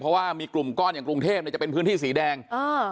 เพราะว่ามีกลุ่มก้อนอย่างกรุงเทพเนี่ยจะเป็นพื้นที่สีแดง